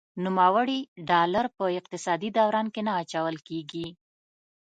نوموړي ډالر په اقتصادي دوران کې نه اچول کیږي.